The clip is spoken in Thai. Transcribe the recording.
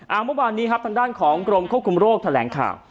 เมื่อวานนี้ครับทางด้านของกรมควบคุมโรคแถลงข่าว